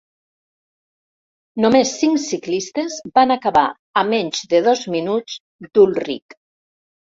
Només cinc ciclistes van acabar a menys de dos minuts d'Ulrich.